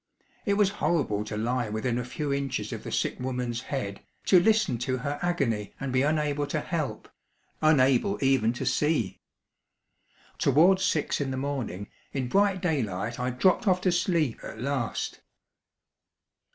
It was horrible to lie within a few inches of the sick woman's head, to listen to her agony and be unable to help, unable even to see. Towards six in the morning, in bright daylight, I dropped off to sleep at last.